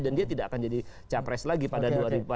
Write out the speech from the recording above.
dan dia tidak akan jadi capres lagi pada dua ribu dua puluh empat